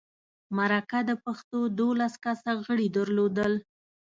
مرکه د پښتو دولس کسه غړي درلودل.